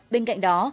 bên cạnh đó